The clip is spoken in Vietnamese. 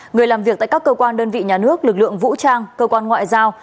người làm việc tại các cơ quan đơn vị nhà nước lực lượng vũ trang cơ quan ngoại giao